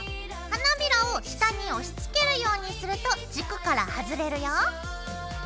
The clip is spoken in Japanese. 花びらを下に押しつけるようにすると軸からはずれるよ。